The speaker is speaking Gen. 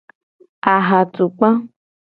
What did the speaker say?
Ahatukpa.